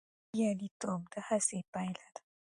بریالیتوب د هڅې پایله ده.